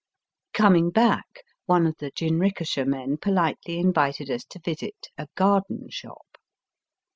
Coming back one of the jinrikisha men politely invited us to visit a *' garden shop."